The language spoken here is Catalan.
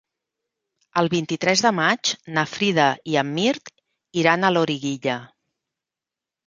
El vint-i-tres de maig na Frida i en Mirt iran a Loriguilla.